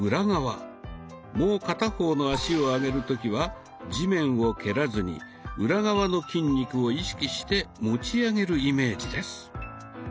もう片方の脚を上げる時は地面を蹴らずに裏側の筋肉を意識して持ち上げるイメージです。